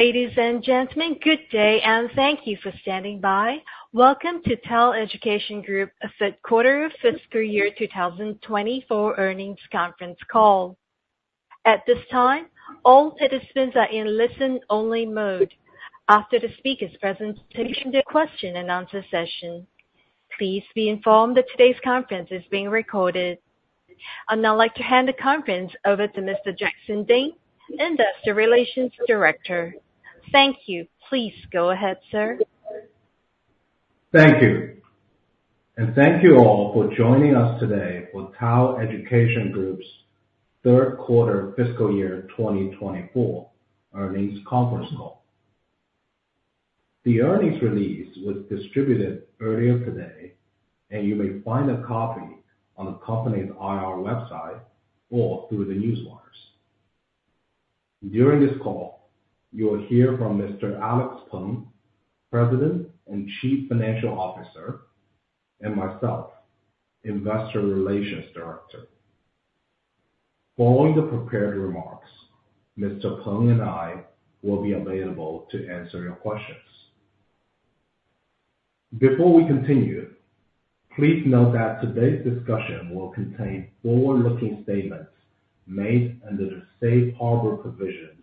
Ladies and gentlemen, good day, and thank you for standing by. Welcome to TAL Education Group’s third quarter fiscal year 2024 earnings conference call. At this time, all participants are in listen-only mode. After the speaker’s presentation, the question-and-answer session. Please be informed that today’s conference is being recorded. I’d now like to hand the conference over to Mr. Jackson Ding, Investor Relations Director. Thank you. Please go ahead, sir. Thank you, and thank you all for joining us today for TAL Education Group's third quarter fiscal year 2024 earnings conference call. The earnings release was distributed earlier today, and you may find a copy on the company's IR website or through the newswires. During this call, you will hear from Mr. Alex Peng, President and Chief Financial Officer, and myself, Investor Relations Director. Following the prepared remarks, Mr. Peng and I will be available to answer your questions. Before we continue, please note that today's discussion will contain forward-looking statements made under the safe harbor provisions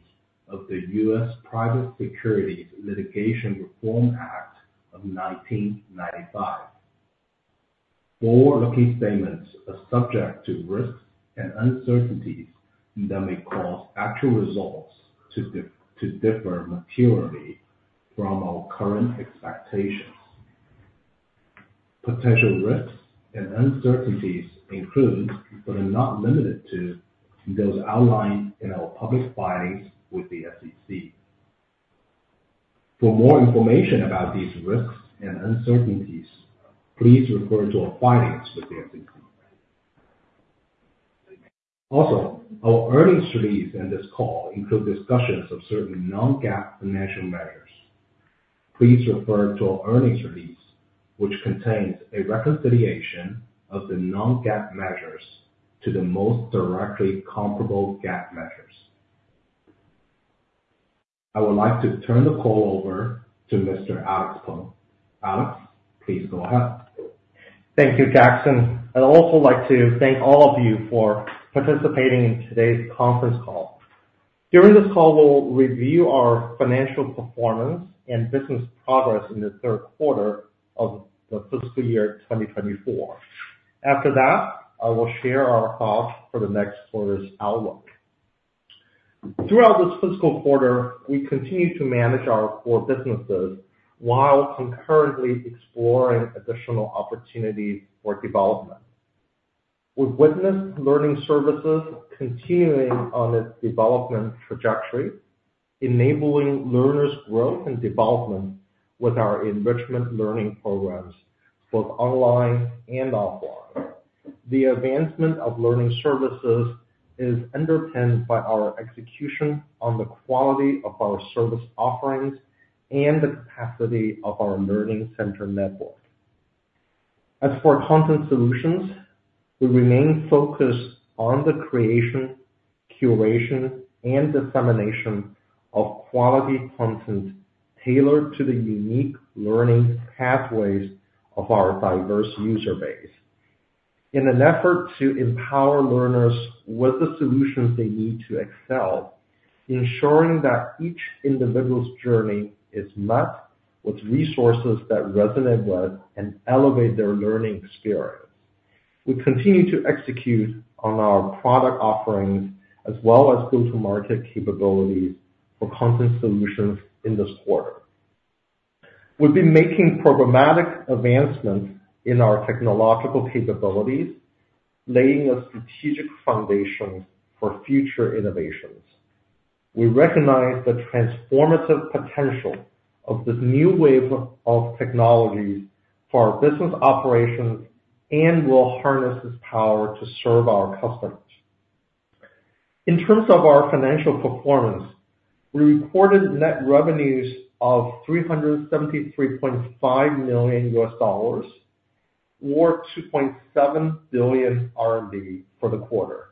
of the U.S. Private Securities Litigation Reform Act of 1995. Forward-looking statements are subject to risks and uncertainties that may cause actual results to differ materially from our current expectations. Potential risks and uncertainties include, but are not limited to, those outlined in our public filings with the SEC. For more information about these risks and uncertainties, please refer to our filings with the SEC. Also, our earnings release and this call include discussions of certain non-GAAP financial measures. Please refer to our earnings release, which contains a reconciliation of the non-GAAP measures to the most directly comparable GAAP measures. I would like to turn the call over to Mr. Alex Peng. Alex, please go ahead. Thank you, Jackson. I'd also like to thank all of you for participating in today's conference call. During this call, we'll review our financial performance and business progress in the third quarter of the fiscal year 2024. After that, I will share our thoughts for the next quarter's outlook. Throughout this fiscal quarter, we continued to manage our four businesses while concurrently exploring additional opportunities for development. We've witnessed learning services continuing on its development trajectory, enabling learners' growth and development with our enrichment learning programs, both online and offline. The advancement of learning services is underpinned by our execution on the quality of our service offerings and the capacity of our learning center network. As for content solutions, we remain focused on the creation, curation, and dissemination of quality content tailored to the unique learning pathways of our diverse user base. In an effort to empower learners with the solutions they need to excel, ensuring that each individual's journey is met with resources that resonate with and elevate their learning experience. We continue to execute on our product offerings, as well as go-to-market capabilities for content solutions in this quarter. We've been making programmatic advancements in our technological capabilities, laying a strategic foundation for future innovations. We recognize the transformative potential of this new wave of technologies for our business operations and will harness this power to serve our customers. In terms of our financial performance, we reported net revenues of $373.5 million, or RMB 2.7 billion, for the quarter,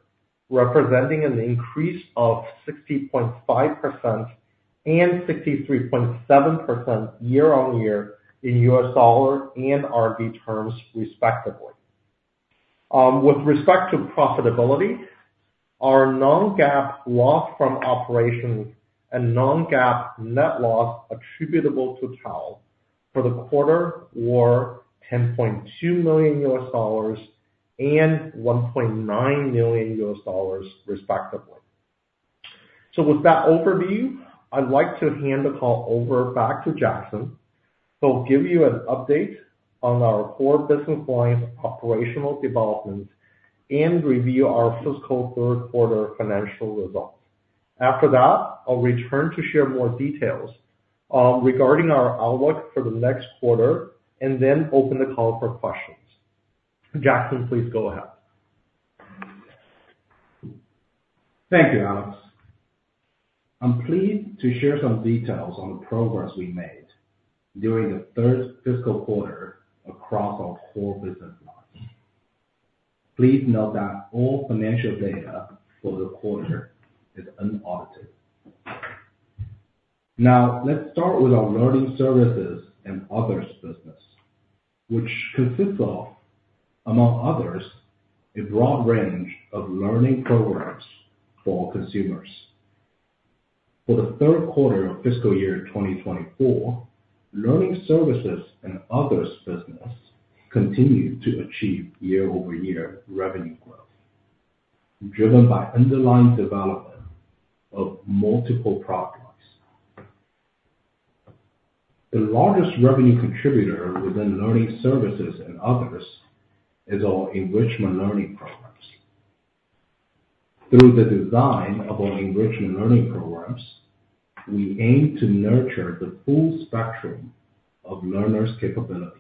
representing an increase of 60.5% and 63.7% year-on-year in U.S. dollar and RMB terms, respectively. With respect to profitability, our non-GAAP loss from operations and non-GAAP net loss attributable to TAL for the quarter were $10.2 million and $1.9 million, respectively. With that overview, I'd like to hand the call over back to Jackson, who'll give you an update on our core business lines, operational developments, and review our fiscal third quarter financial results. After that, I'll return to share more details, regarding our outlook for the next quarter, and then open the call for questions. Jackson, please go ahead. Thank you, Alex. I'm pleased to share some details on the progress we made during the third fiscal quarter across our four business lines. Please note that all financial data for the quarter is unaudited. Now, let's start with our learning services and others business, which consists of, among others, a broad range of learning programs for consumers. For the third quarter of fiscal year 2024, learning services and others business continued to achieve year-over-year revenue growth, driven by underlying development of multiple products. The largest revenue contributor within learning services and others is our enrichment learning programs. Through the design of our enrichment learning programs, we aim to nurture the full spectrum of learners' capabilities,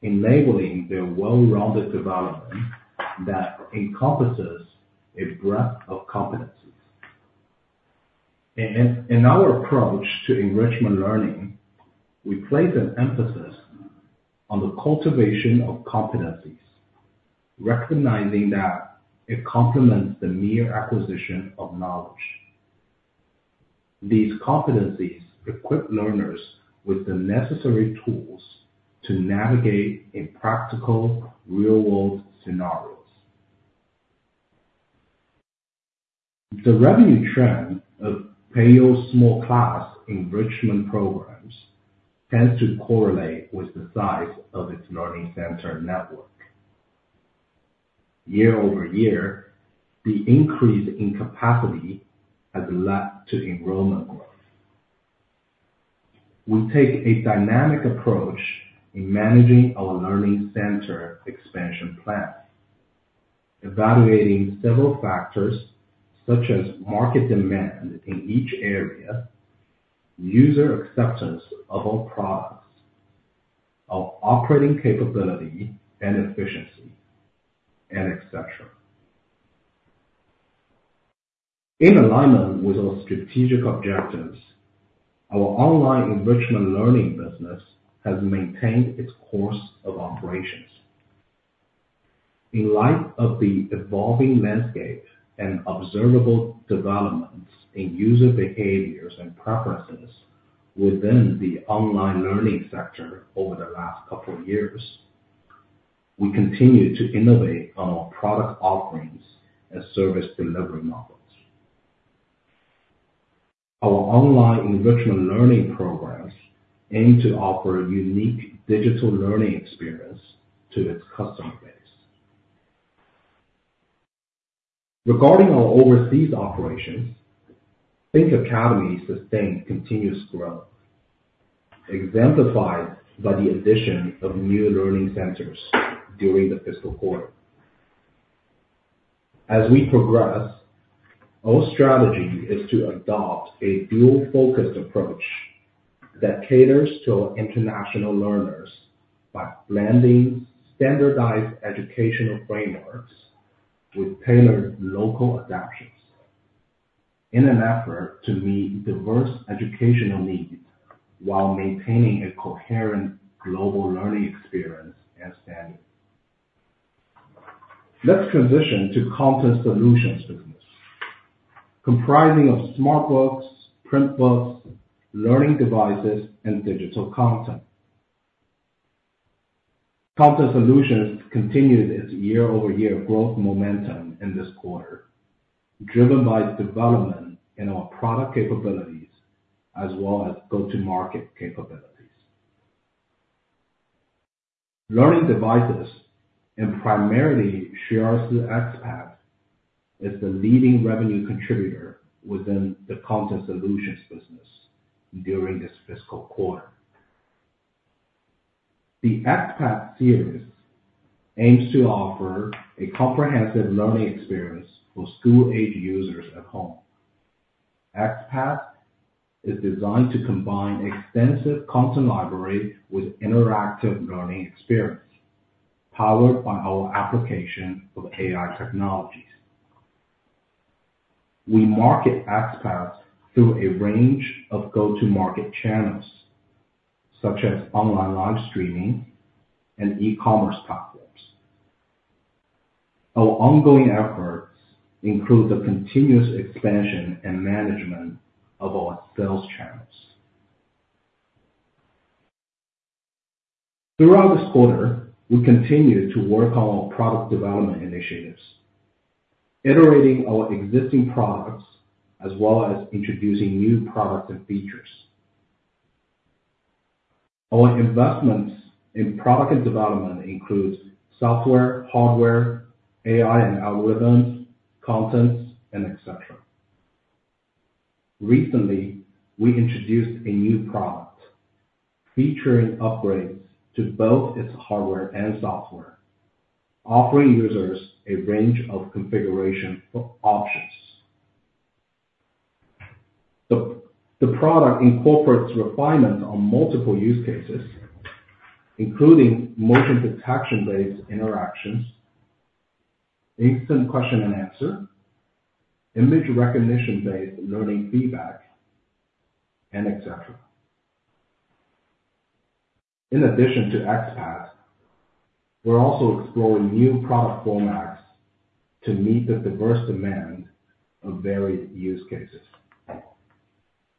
enabling their well-rounded development that encompasses a breadth of competencies. In our approach to enrichment learning, we place an emphasis on the cultivation of competencies, recognizing that it complements the mere acquisition of knowledge. These competencies equip learners with the necessary tools to navigate in practical, real-world scenarios. The revenue trend of Peiyou's Small Class enrichment programs tends to correlate with the size of its learning center network. Year-over-year, the increase in capacity has led to enrollment growth. We take a dynamic approach in managing our learning center expansion plans, evaluating several factors such as market demand in each area, user acceptance of our products, our operating capability and efficiency, and et cetera. In alignment with our strategic objectives, our online enrichment learning business has maintained its course of operations. In light of the evolving landscape and observable developments in user behaviors and preferences within the online learning sector over the last couple of years, we continue to innovate on our product offerings and service delivery models. Our online enrichment learning programs aim to offer a unique digital learning experience to its customer base. Regarding our overseas operations, Think Academy sustained continuous growth, exemplified by the addition of new learning centers during the fiscal quarter. As we progress, our strategy is to adopt a dual-focused approach that caters to our international learners by blending standardized educational frameworks with tailored local adaptations, in an effort to meet diverse educational needs while maintaining a coherent global learning experience and standard. Let's transition to content solutions business, comprising of smart books, print books, learning devices, and digital content. Content solutions continued its year-over-year growth momentum in this quarter, driven by development in our product capabilities as well as go-to-market capabilities. Learning devices, and primarily Xueersi xPad, is the leading revenue contributor within the content solutions business during this fiscal quarter. The xPad series aims to offer a comprehensive learning experience for school-aged users at home. xPad is designed to combine extensive content library with interactive learning experience, powered by our application of AI technologies. We market xPad through a range of go-to-market channels, such as online live streaming and e-commerce platforms. Our ongoing efforts include the continuous expansion and management of our sales channels. Throughout this quarter, we continued to work on our product development initiatives, iterating our existing products, as well as introducing new products and features. Our investments in product development includes software, hardware, AI and algorithms, contents, and et cetera. Recently, we introduced a new product featuring upgrades to both its hardware and software, offering users a range of configuration options. The product incorporates refinement on multiple use cases, including motion detection-based interactions, instant question and answer, image recognition-based learning feedback, and et cetera. In addition to xPad, we're also exploring new product formats to meet the diverse demand of varied use cases.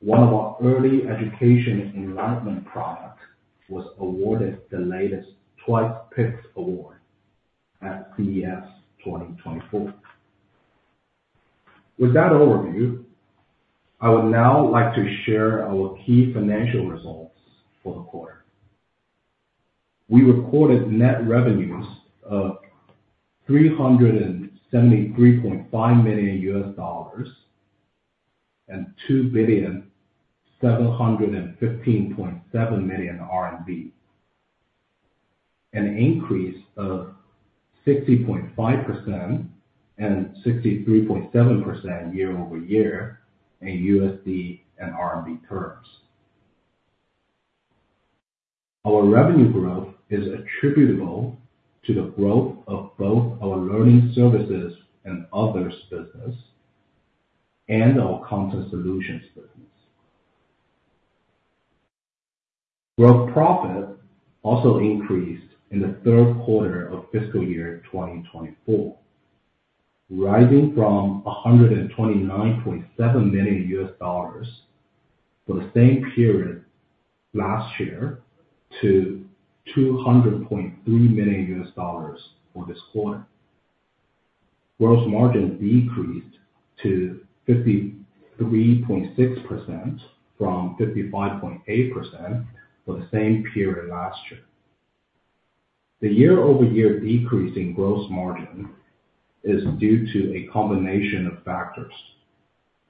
One of our early education enlightenment product was awarded the latest TWICE Picks Award at CES 2024. With that overview, I would now like to share our key financial results for the quarter. We recorded net revenues of $373.5 million and RMB 2,715.7 million. An increase of 60.5% and 63.7% year-over-year in USD and RMB terms. Our revenue growth is attributable to the growth of both our learning services and others business, and our content solutions business. Gross profit also increased in the third quarter of fiscal year 2024, rising from $129.7 million for the same period last year to $200.3 million for this quarter. Gross margin decreased to 53.6% from 55.8% for the same period last year. The year-over-year decrease in gross margin is due to a combination of factors,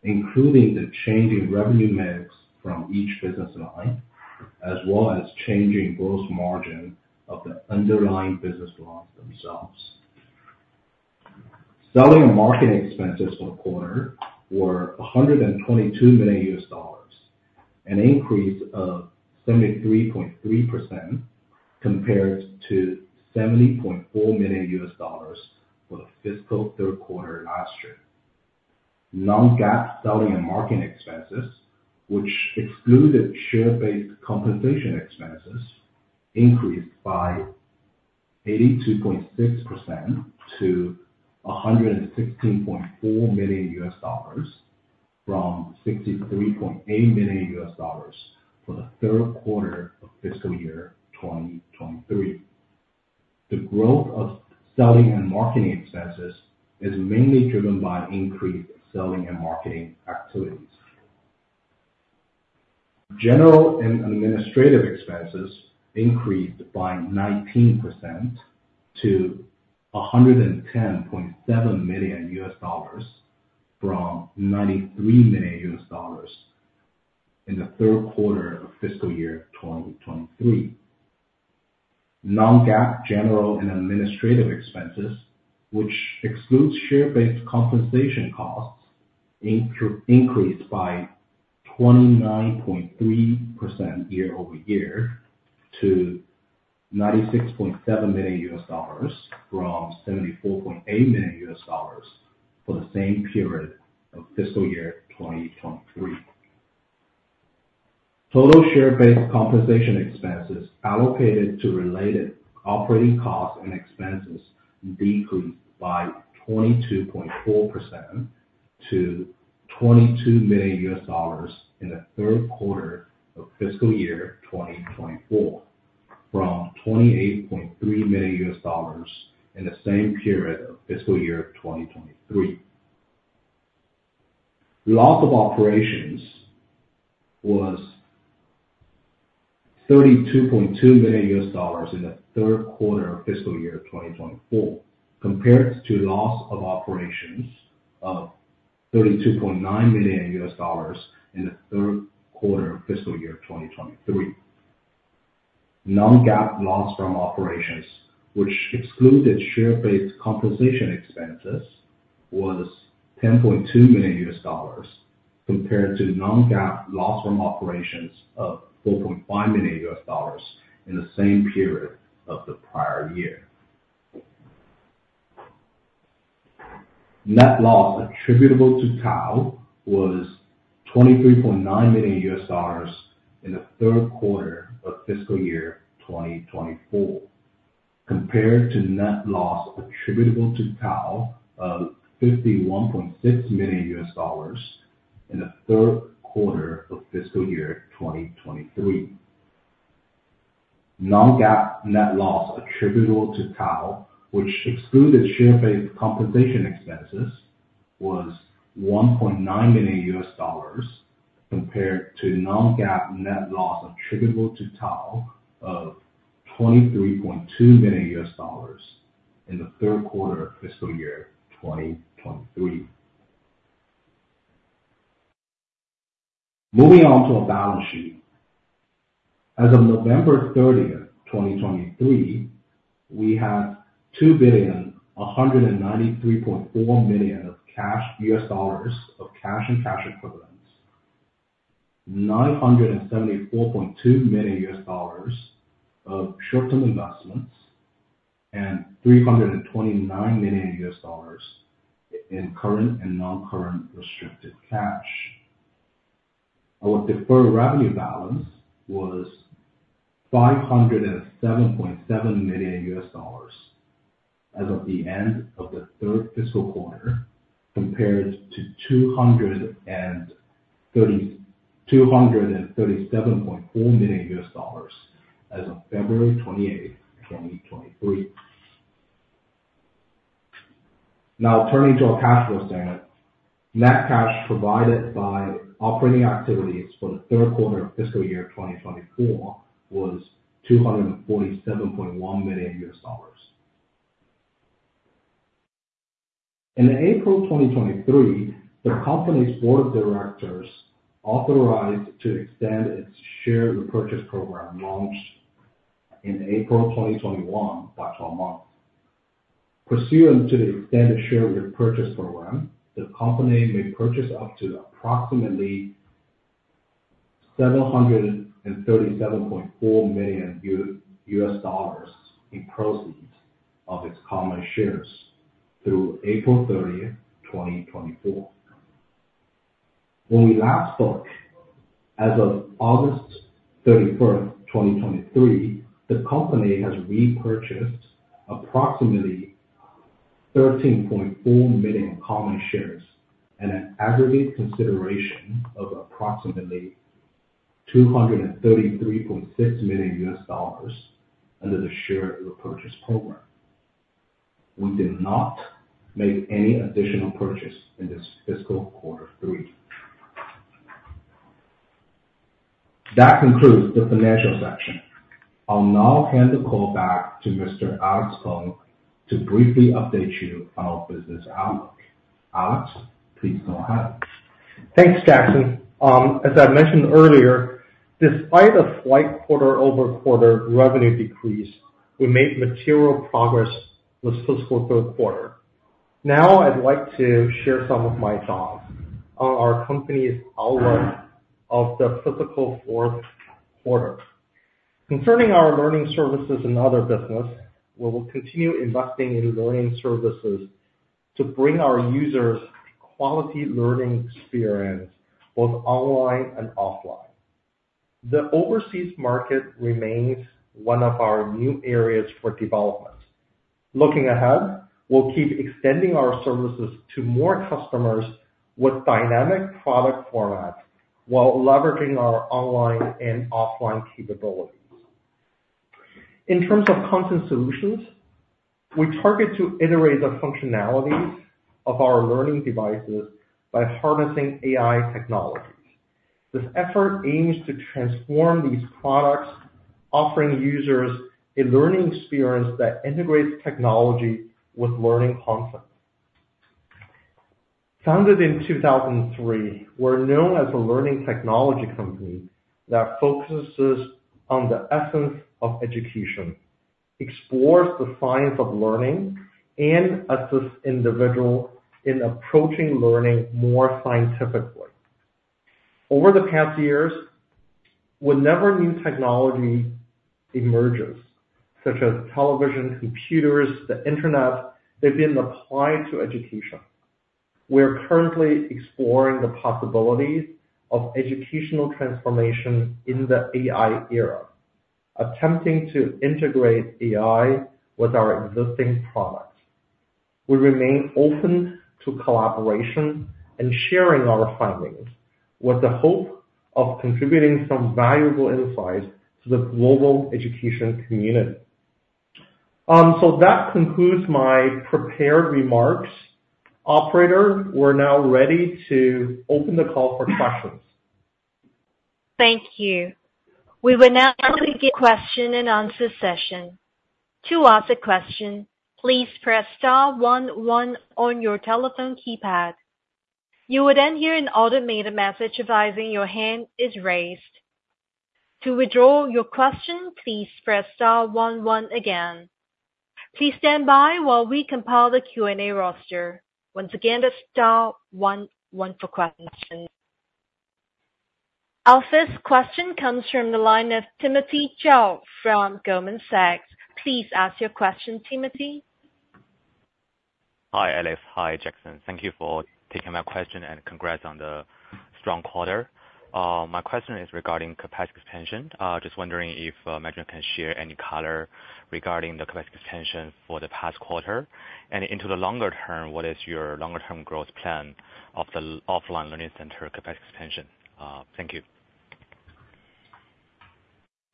including the changing revenue mix from each business line, as well as changing gross margin of the underlying business lines themselves. Selling and marketing expenses for the quarter were $122 million, an increase of 73.3% compared to $70.4 million for the fiscal third quarter last year. Non-GAAP selling and marketing expenses, which excluded share-based compensation expenses, increased by 82.6% to $116.4 million from $63.8 million for the third quarter of fiscal year 2023. The growth of selling and marketing expenses is mainly driven by increased selling and marketing activities. General and administrative expenses increased by 19% to $110.7 million from $93 million in the third quarter of fiscal year 2023. Non-GAAP general and administrative expenses, which excludes share-based compensation costs, increased by 29.3% year-over-year to $96.7 million from $74.8 million for the same period of fiscal year 2023. Total share-based compensation expenses allocated to related operating costs and expenses decreased by 22.4% to $22 million in the third quarter of fiscal year 2024, from $28.3 million in the same period of fiscal year 2023. Loss of operations was $32.2 million in the third quarter of fiscal year 2024, compared to loss of operations of $32.9 million in the third quarter of fiscal year 2023. Non-GAAP loss from operations, which excluded share-based compensation expenses, was $10.2 million, compared to non-GAAP loss from operations of $4.5 million in the same period of the prior year. Net loss attributable to TAL was $23.9 million in the third quarter of fiscal year 2024, compared to net loss attributable to TAL of $51.6 million in the third quarter of fiscal year 2023. Non-GAAP net loss attributable to TAL, which excluded share-based compensation expenses, was $1.9 million, compared to non-GAAP net loss attributable to TAL of $23.2 million in the third quarter of fiscal year 2023. Moving on to our balance sheet. As of November 30, 2023, we had $2,193.4 million of cash and cash equivalents, $974.2 million of short-term investments, and $329 million in current and non-current restricted cash. Our deferred revenue balance was $507.7 million as of the end of the third fiscal quarter, compared to $237.4 million as of February 28, 2023. Now, turning to our cash flow statement. Net cash provided by operating activities for the third quarter of fiscal year 2024 was $247.1 million. In April 2023, the company's board of directors authorized to extend its share repurchase program, launched in April 2021 by 12 months. Pursuant to the extended share repurchase program, the company may purchase up to approximately $737.4 million in proceeds of its common shares through April 30, 2024. When we last spoke, as of August 31, 2023, the company has repurchased approximately 13.4 million common shares at an aggregate consideration of approximately $233.6 million under the share repurchase program. We did not make any additional purchase in this fiscal quarter 3. That concludes the financial section. I'll now hand the call back to Mr. Alex Peng, to briefly update you on our business outlook. Alex, please go ahead. Thanks, Jackson. As I mentioned earlier, despite a slight quarter-over-quarter revenue decrease, we made material progress this fiscal third quarter. Now, I'd like to share some of my thoughts on our company's outlook of the fiscal fourth quarter. Concerning our learning services and other business, we will continue investing in learning services to bring our users quality learning experience, both online and offline. The overseas market remains one of our new areas for development. Looking ahead, we'll keep extending our services to more customers with dynamic product formats, while leveraging our online and offline capabilities. In terms of content solutions, we target to iterate the functionalities of our learning devices by harnessing AI technologies. This effort aims to transform these products, offering users a learning experience that integrates technology with learning content. Founded in 2003, we're known as a learning technology company that focuses on the essence of education, explores the science of learning, and assists individuals in approaching learning more scientifically. Over the past years, whenever new technology emerges, such as television, computers, the internet, they've been applied to education. We are currently exploring the possibilities of educational transformation in the AI era, attempting to integrate AI with our existing products. We remain open to collaboration and sharing our findings, with the hope of contributing some valuable insights to the global education community. That concludes my prepared remarks. Operator, we're now ready to open the call for questions. Thank you. We will now begin question and answer session. To ask a question, please press star one one on your telephone keypad. You will then hear an automated message advising your hand is raised. To withdraw your question, please press star one one again. Please stand by while we compile the Q&A roster. Once again, that's star one one for questions. Our first question comes from the line of Timothy Zhao from Goldman Sachs. Please ask your question, Timothy. Hi, Alex. Hi, Jackson. Thank you for taking my question, and congrats on the strong quarter. My question is regarding capacity expansion. Just wondering if management can share any color regarding the capacity expansion for the past quarter. And into the longer term, what is your longer term growth plan of the offline learning center capacity expansion? Thank you.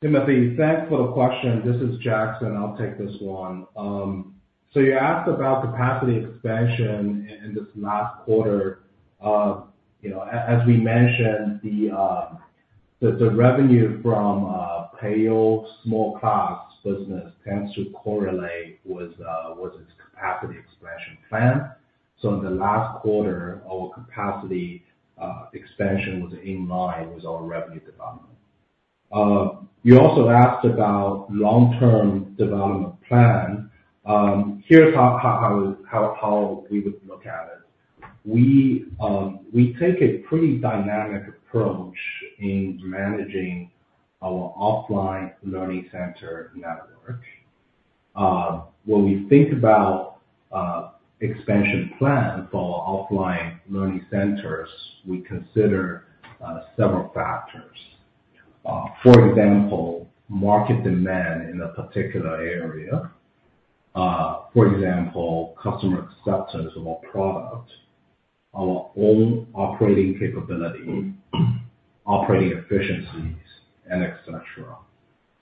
Timothy, thanks for the question. This is Jackson. I'll take this one. So you asked about capacity expansion in this last quarter. You know, as we mentioned, the revenue from Peiyou Small Class business tends to correlate with its capacity expansion plan. So in the last quarter, our capacity expansion was in line with our revenue development. You also asked about long-term development plan. Here's how we would look at it. We take a pretty dynamic approach in managing our offline learning center network. When we think about expansion plans for our offline learning centers, we consider several factors. For example, market demand in a particular area, for example, customer acceptance of our product, our own operating capability, operating efficiencies, and et cetera.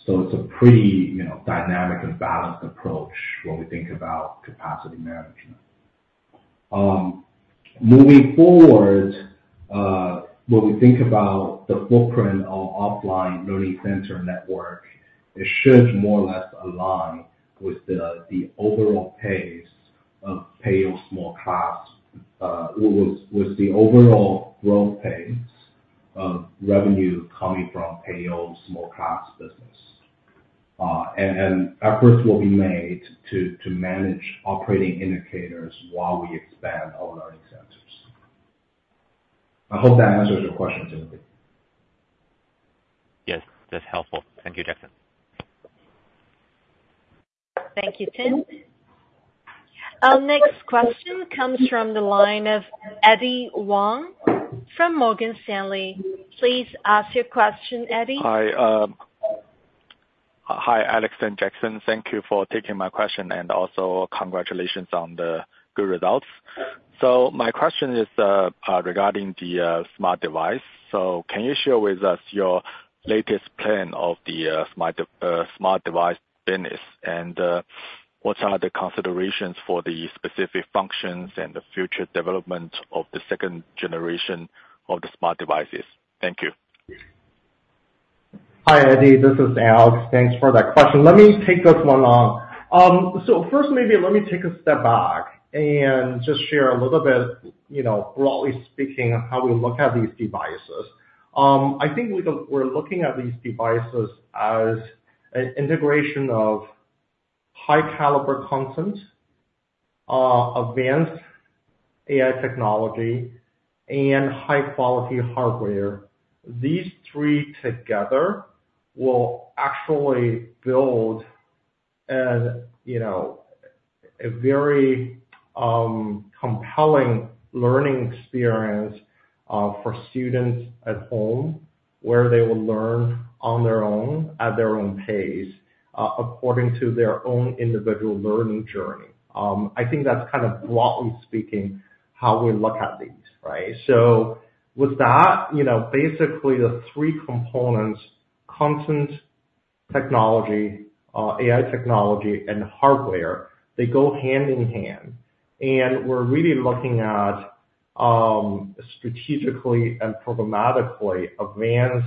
So it's a pretty, you know, dynamic and balanced approach when we think about capacity management. Moving forward, when we think about the footprint of offline learning center network, it should more or less align with the overall pace of Peiyou Small Class with the overall growth pace of revenue coming from Peiyou Small Class business. And efforts will be made to manage operating indicators while we expand our learning centers. I hope that answers your question, Timothy. Yes, that's helpful. Thank you, Jackson. Thank you, Tim. Our next question comes from the line of Eddy Wang from Morgan Stanley. Please ask your question, Eddy. Hi. Hi, Alex and Jackson. Thank you for taking my question, and also congratulations on the good results. So my question is regarding the smart device. So can you share with us your latest plan of the smart device business? And what are the considerations for the specific functions and the future development of the second generation of the smart devices? Thank you. Hi, Eddy, this is Alex. Thanks for that question. Let me take this one on. So first, maybe let me take a step back and just share a little bit, you know, broadly speaking, on how we look at these devices. I think we're looking at these devices as an integration of high caliber content, advanced AI technology, and high quality hardware. These three together will actually build a, you know, a very compelling learning experience for students at home, where they will learn on their own, at their own pace, according to their own individual learning journey. I think that's kind of broadly speaking, how we look at these, right? So with that, you know, basically the three components: content, technology, AI technology and hardware, they go hand in hand. We're really looking at strategically and programmatically advance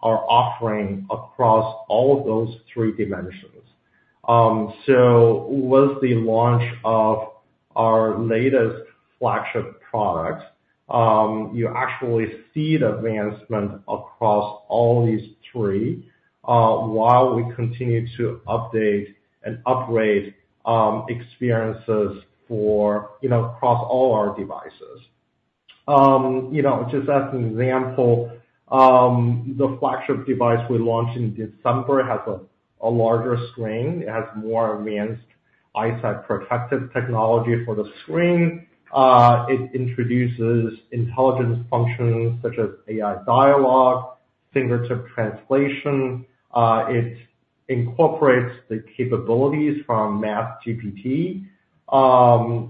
our offering across all of those three dimensions. So with the launch of our latest flagship product, you actually see the advancement across all these three, while we continue to update and upgrade experiences for, you know, across all our devices. You know, just as an example, the flagship device we launched in December has a larger screen. It has more advanced eyesight protective technology for the screen. It introduces intelligence functions such as AI dialogue, fingertip translation. It incorporates the capabilities from MathGPT.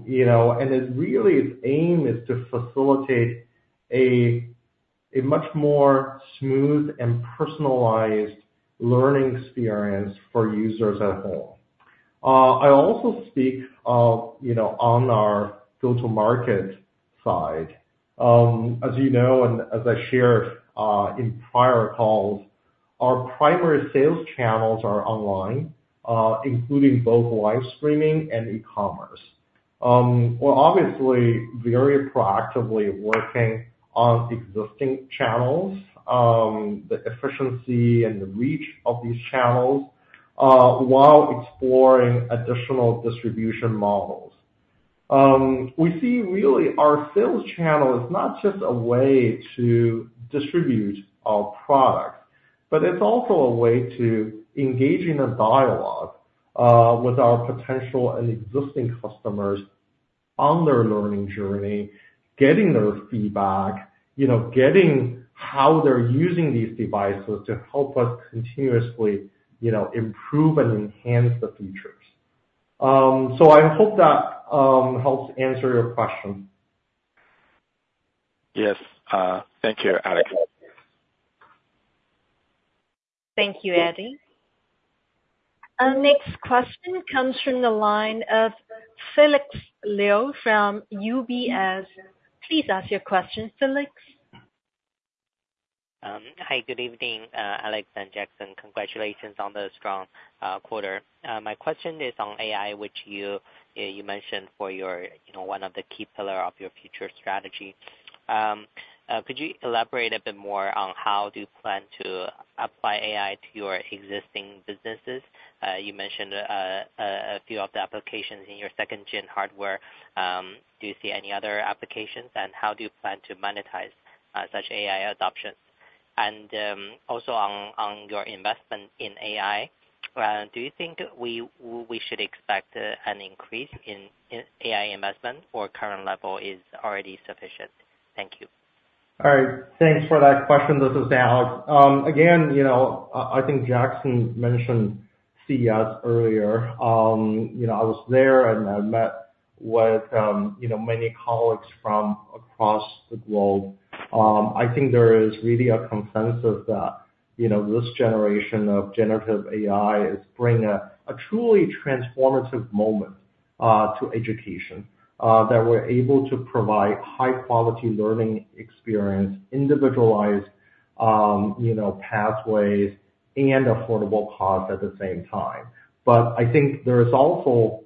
You know, and its real aim is to facilitate a much more smooth and personalized learning experience for users at home. I also speak of, you know, on our go-to-market side. As you know, and as I shared, in prior calls, our primary sales channels are online, including both live streaming and e-commerce. We're obviously very proactively working on existing channels, the efficiency and the reach of these channels, while exploring additional distribution models. We see really our sales channel is not just a way to distribute our products, but it's also a way to engage in a dialogue, with our potential and existing customers on their learning journey, getting their feedback, you know, getting how they're using these devices to help us continuously, you know, improve and enhance the features. So I hope that helps answer your question. Yes. Thank you, Alex. Thank you, Eddie. Our next question comes from the line of Felix Liu from UBS. Please ask your question, Felix. Hi, good evening, Alex and Jackson. Congratulations on the strong quarter. My question is on AI, which you mentioned for your, you know, one of the key pillar of your future strategy. Could you elaborate a bit more on how do you plan to apply AI to your existing businesses? You mentioned a few of the applications in your second gen hardware. Do you see any other applications, and how do you plan to monetize such AI adoption? And also on your investment in AI, do you think we should expect an increase in AI investment, or current level is already sufficient? Thank you. All right, thanks for that question. This is Alex. Again, you know, I think Jackson mentioned CES earlier. You know, I was there, and I met with you know, many colleagues from across the globe. I think there is really a consensus that, you know, this generation of Generative AI is bringing a truly transformative moment to education. That we're able to provide high quality learning experience, individualized, you know, pathways and affordable cost at the same time. But I think there is also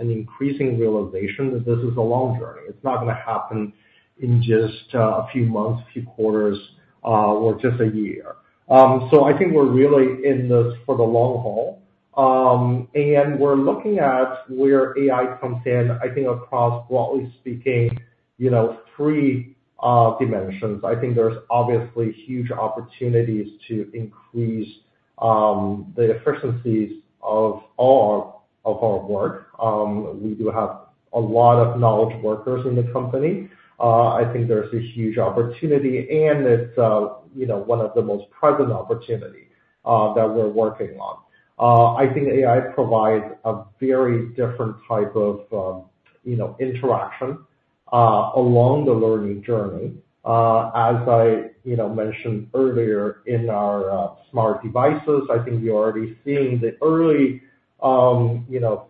an increasing realization that this is a long journey. It's not gonna happen in just a few months, a few quarters, or just a year. So I think we're really in this for the long haul. And we're looking at where AI comes in, I think across, broadly speaking, you know, 3 dimensions. I think there's obviously huge opportunities to increase the efficiencies of all of our work. We do have a lot of knowledge workers in the company. I think there's a huge opportunity, and it's, you know, one of the most present opportunity that we're working on. I think AI provides a very different type of, you know, interaction along the learning journey. As I, you know, mentioned earlier in our smart devices, I think we are already seeing the early, you know,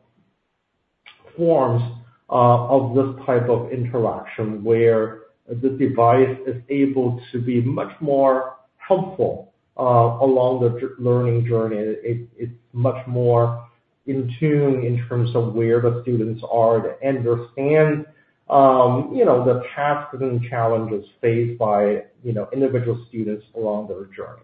forms of this type of interaction, where the device is able to be much more helpful along the learning journey. It's much more in tune in terms of where the students are to understand, you know, the paths and challenges faced by, you know, individual students along their journey.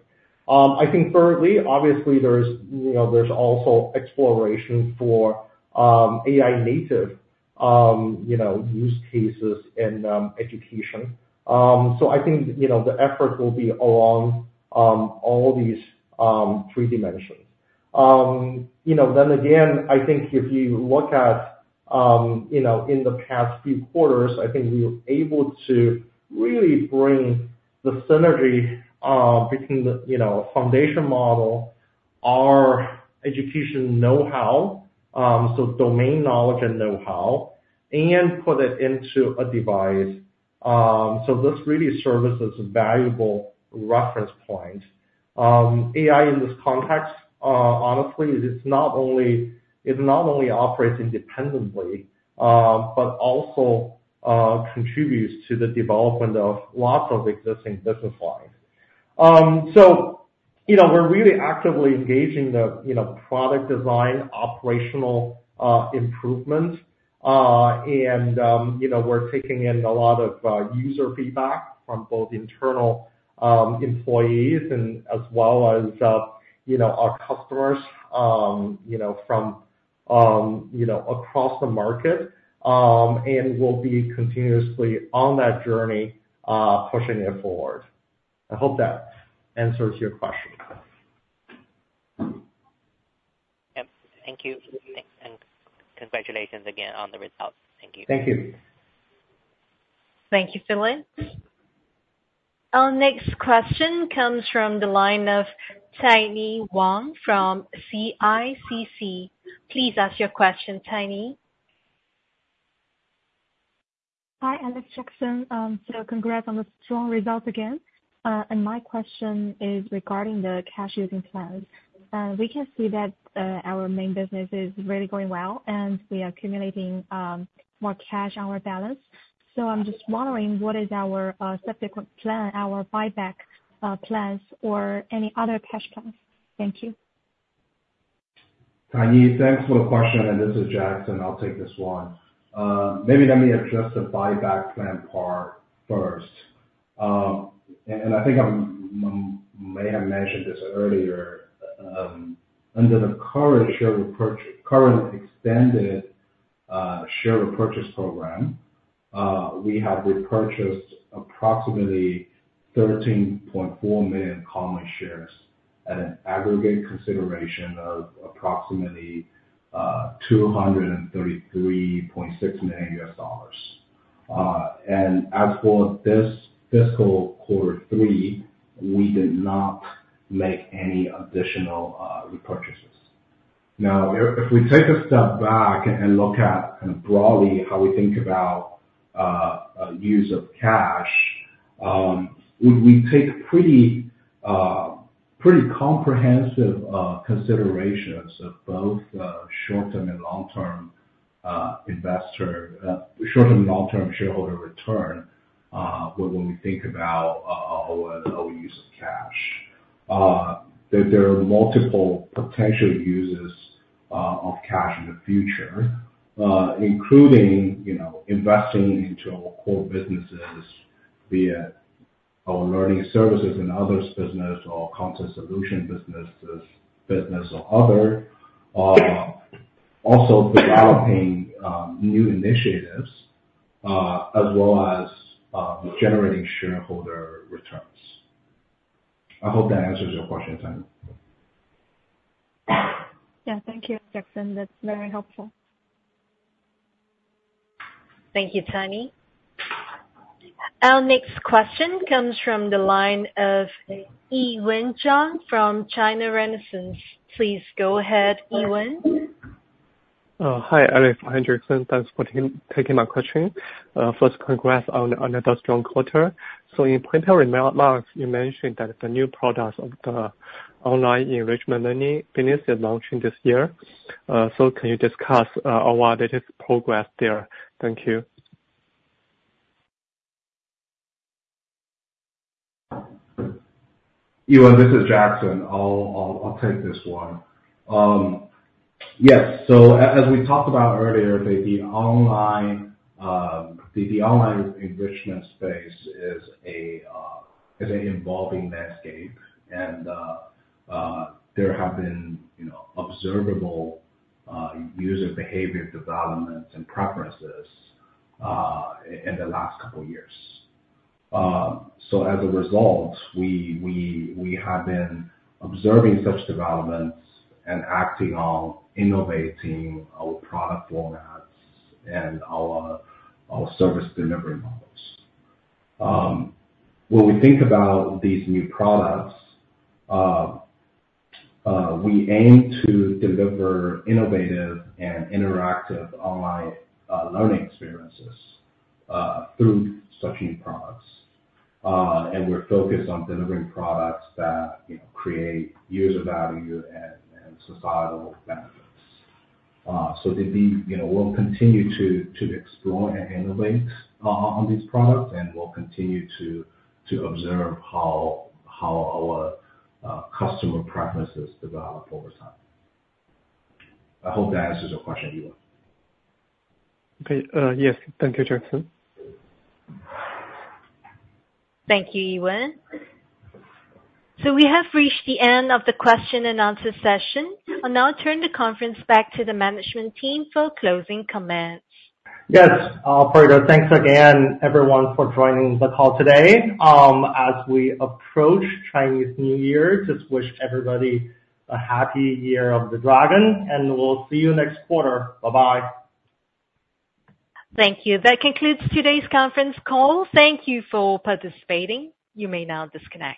I think thirdly, obviously there's, you know, exploration for AI native, you know, use cases in education. So I think, you know, the effort will be along all these three dimensions. You know, then again, I think if you look at, you know, in the past few quarters, I think we were able to really bring the synergy between the, you know, foundation model, our education know-how, so domain knowledge and know-how, and put it into a device. So this really serves as a valuable reference point. AI in this context, honestly, it is not only, it not only operates independently, but also, contributes to the development of lots of existing business lines. So, you know, we're really actively engaging the, you know, product design, operational, improvements. And, you know, we're taking in a lot of, user feedback from both internal, employees and as well as, you know, our customers, you know, from, you know, across the market. And we'll be continuously on that journey, pushing it forward. I hope that answers your question. Yep. Thank you. And congratulations again on the results. Thank you. Thank you. Thank you, Felix. Our next question comes from the line of Caini Wang from CICC. Please ask your question, Caini. Hi, Alex, Jackson. So congrats on the strong results again. And my question is regarding the cash using plans. We can see that, our main business is really going well, and we are accumulating, more cash on our balance. So I'm just wondering, what is our, subsequent plan, our buyback, plans or any other cash plans? Thank you. Caini, thanks for the question, and this is Jackson. I'll take this one. Maybe let me address the buyback plan part first. And I think I may have mentioned this earlier. Under the current extended share repurchase program, we have repurchased approximately 13.4 million common shares at an aggregate consideration of approximately $233.6 million. And as for this fiscal quarter three, we did not make any additional repurchases. Now, if we take a step back and look at kind of broadly how we think about use of cash, we take pretty comprehensive considerations of both short-term and long-term investor short-term and long-term shareholder return, when we think about our- There are multiple potential uses of cash in the future, including, you know, investing into our core businesses, be it our learning services and others business or content solution businesses, business or other. Also developing new initiatives, as well as generating shareholder returns. I hope that answers your question, Caini. Yeah, thank you, Jackson. That's very helpful. Thank you, Caini. Our next question comes from the line of Yiwen Zhang from China Renaissance. Please go ahead, Yiwen. Hi, Alex Peng. Thanks for taking my question. First, congrats on another strong quarter. So in prepared remarks, you mentioned that the new products of the online enrichment learning business is launching this year. So can you discuss on what it is progress there? Thank you. Yiwen, this is Jackson. I'll take this one. Yes, so as we talked about earlier, the online enrichment space is an evolving landscape, and there have been, you know, observable user behavior developments and preferences in the last couple years. So as a result, we have been observing such developments and acting on innovating our product formats and our service delivery models. When we think about these new products, we aim to deliver innovative and interactive online learning experiences through such new products. And we're focused on delivering products that, you know, create user value and societal benefits. So that we, you know, we'll continue to explore and innovate on these products, and we'll continue to observe how our customer preferences develop over time. I hope that answers your question, Yiwen. Okay. Yes, thank you, Jackson. Thank you, Yiwen. We have reached the end of the question and answer session. I'll now turn the conference back to the management team for closing comments. Yes, very good. Thanks again, everyone, for joining the call today. As we approach Chinese New Year, just wish everybody a happy Year of the Dragon, and we'll see you next quarter. Bye-bye. Thank you. That concludes today's conference call. Thank you for participating. You may now disconnect.